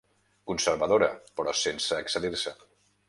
Conservadora, però sense excedir-se.